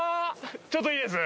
ちょっといいです？